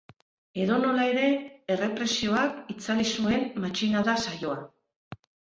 Edonola ere, errepresioak itzali zuen matxinada saioa.